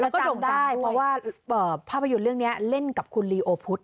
แล้วก็จำได้เพราะว่าภาพยนตร์เรื่องนี้เล่นกับคุณลีโอพุทธ